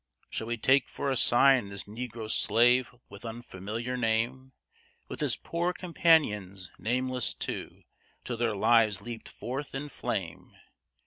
Shall we take for a sign this Negro slave with unfamiliar name With his poor companions, nameless too, till their lives leaped forth in flame?